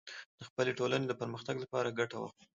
د خپلې ټولنې د پرمختګ لپاره ګټه واخلو